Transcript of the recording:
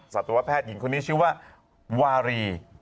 สัตวแพทย์หญิงคนนี้ชื่อว่าวารี